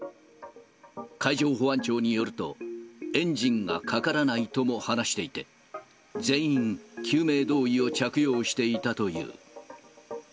海上保安庁によると、エンジンがかからないとも話していて、全員、救命胴衣を着用していたという。